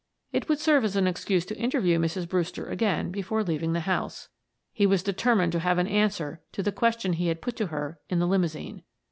It would serve as an excuse to interview Mrs. Brewster again before leaving the house. He was determined to have an answer to the question he had put to her in the limousine.